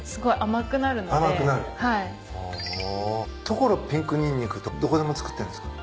ところピンクにんにくってどこでも作ってるんですか？